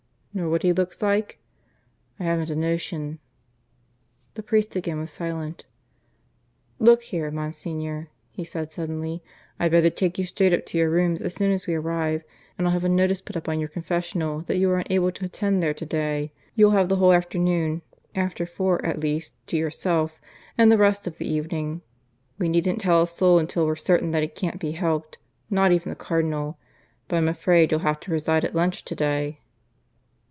"Nor what he looks like?" "I haven't a notion." The priest again was silent. "Look here, Monsignor," he said suddenly, "I'd better take you straight up to your rooms as soon as we arrive; and I'll have a notice put up on your confessional that you are unable to attend there to day. You'll have the whole afternoon after four at least to yourself, and the rest of the evening. We needn't tell a soul until we're certain that it can't be helped, not even the Cardinal. But I'm afraid you'll have to preside at lunch to day."